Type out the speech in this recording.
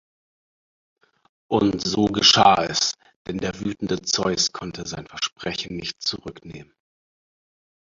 Und so geschah es, denn der wütende Zeus konnte sein Versprechen nicht zurücknehmen.